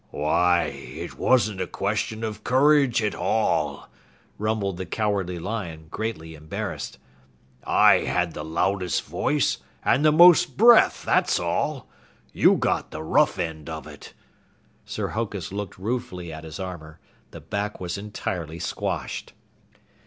"Why, it wasn't a question of courage at all," rumbled the Cowardly Lion, greatly embarrassed. "I had the loudest voice and the most breath, that's all! You got the rough end of it." Sir Hokus looked ruefully at his armor. The back was entirely squashed.